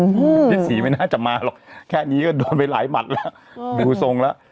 อื้อฮือฮือพี่ศรีไม่น่าจะมาหรอกแค่นี้ก็โดนไปหลายหมัดละดูทรงละ